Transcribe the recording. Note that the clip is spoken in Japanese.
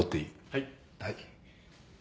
はい。